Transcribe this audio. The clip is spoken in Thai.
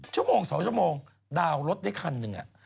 ชมชมดาวย์รถให้คันนึงอะ